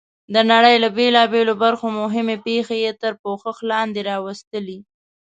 د نړۍ له بېلابېلو برخو مهمې پېښې یې تر پوښښ لاندې راوستلې.